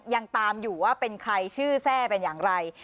ยังตามอยู่ว่าเป็นใครชื่อแทร่เป็นอย่างไร